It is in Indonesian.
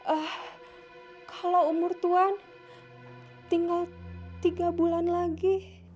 eh kalau umur tuan tinggal tiga bulan lagi